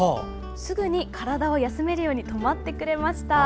すぐに体を休めるように止まってくれました。